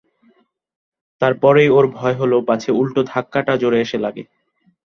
তার পরেই ওর ভয় হল পাছে উলটো ধাক্কাটা জোরে এসে লাগে।